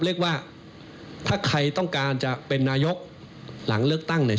เรียกว่าถ้าใครต้องการจะเป็นนายกหลังเลือกตั้งเนี่ย